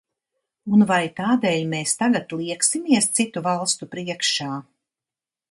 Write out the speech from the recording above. Un vai tādēļ mēs tagad lieksimies citu valstu priekšā?